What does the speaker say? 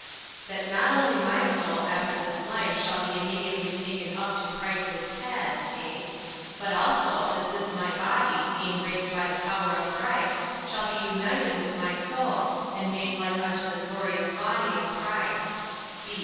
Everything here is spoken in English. A. That not only my soul after this life shall be immediately taken up to Christ its head; (a) but also, that this my body, being raised by the power of Christ, shall be reunited with my soul, and made like unto the glorious body of Christ.